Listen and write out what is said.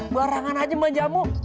barangan aja ma jamu